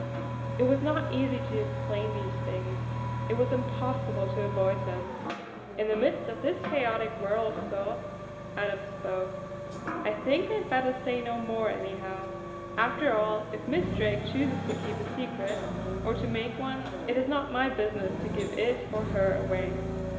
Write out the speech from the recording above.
It was not easy to explain these things; it was impossible to avoid them. In the midst of this chaotic whirl of thoughts Adams spoke: "I think I had better say no more, anyhow. After all, if Miss Drake chooses to keep a secret, or to make one, it is not my business to give it, or her, away.